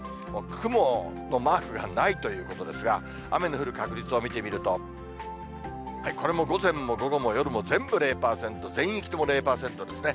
雲のマークがないということですが、雨の降る確率を見てみると、これも午前も午後も夜も全部０％、全域とも０％ですね。